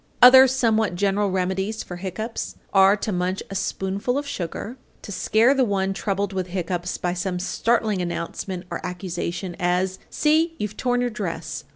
Other somewhat general remedies for hiccoughs are to munch a spoonful of sugar, to scare the one troubled with hiccoughs by some startling announcement or accusation, as, "See, you've torn your dress!"